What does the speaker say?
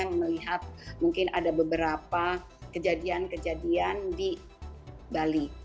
yang melihat mungkin ada beberapa kejadian kejadian di bali